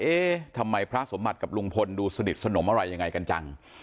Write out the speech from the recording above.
เอ๊ะทำไมพระสมบัติกับลุงพลดูสนิทสนมอะไรยังไงกันจัง